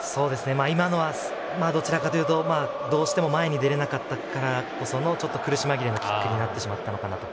今のは、どちらかというとどうしても前に出れなかったからこその苦しまぎれのキックになったかなと。